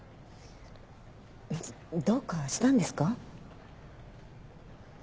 どうかしたんですか？